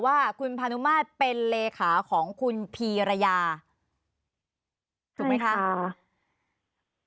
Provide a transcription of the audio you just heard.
ว่าคุณพานุมาตรเป็นเลขาของคุณพีรยาถูกไหมคะ